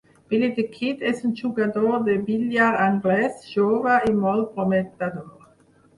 Billy the Kid és un jugador de billar anglès jove i molt prometedor.